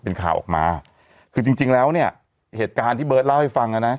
เป็นข่าวออกมาคือจริงจริงแล้วเนี่ยเหตุการณ์ที่เบิร์ตเล่าให้ฟังอ่ะนะ